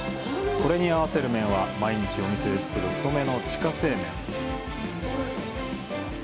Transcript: これに合わせる麺は、毎日、お店で作る太めの自家製麺。